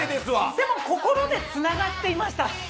でも心でつながっていました。